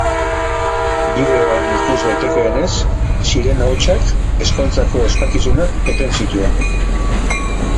Bideoan ikus daitekeenez, sirena-hotsak ezkontzako ospakizunak eten zituen.